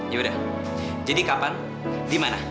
yaudah jadi kapan dimana